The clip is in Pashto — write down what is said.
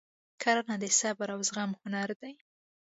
کرنه د صبر او زغم هنر دی.